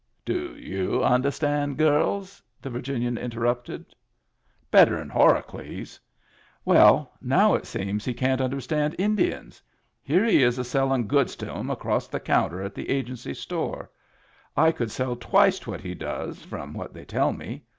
"Do you understand girls?" the Virginian interrupted. "Better'n Horacles. Well, now it seems he can't understand Indians. Here he is sellin' goods to *em across the counter at the Agency store. I could sell twiced what he does, from what they tell me.